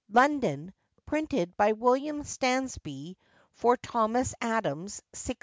London, printed by William Stansby, for Thomas Adams, 1611.